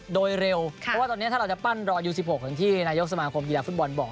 โดยเร็วเพราะว่าตอนเนี่ยถ้าเราจะปั้นรออายุ๑๖ที่นายกสมองคมอีเลศภูมิบอลบอก